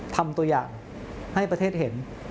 ทำตัวอย่างให้ประเทศเห็น